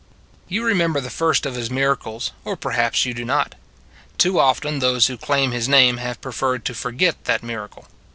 You remember the first of His miracles or perhaps you do not. Too often those who claim His name have preferred to forget that miracle.